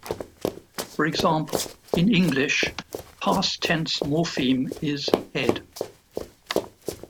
For example, in English, a past tense morpheme is "-ed".